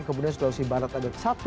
kemudian sulawesi barat ada satu